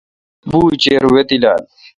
بوُچیر وے°تیلال۔